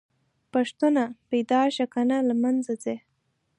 پښتونه!! بيدار شه کنه له منځه ځې